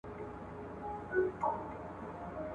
او کله بیا د شېبانیانو تر حکمرانۍ لاندي ول.